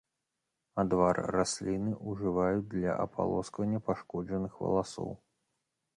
Адвар расліны ўжываюць для апалосквання пашкоджаных валасоў.